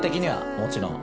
もちろん。